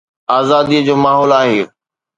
آزاديءَ جو ماحول آهي.